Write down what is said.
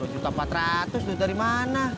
dua empat juta itu dari mana